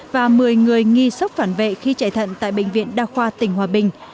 và một mươi người nghi sốc phản vệ khi chạy thận tại bệnh viện đa khoa tỉnh hòa bình